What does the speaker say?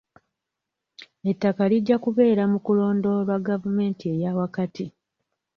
Ettaka lijja kubeera mu kulondoolwa gavumenti eya wakati.